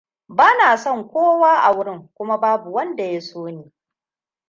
Ba na son kowa a wurin kuma babu wanda ya so ni.